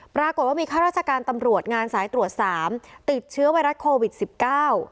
ปรากฏว่ามีข้าราชการตำรวจงานสายตรวจสามติดเชื้อไวรัสโควิดสิบเก้า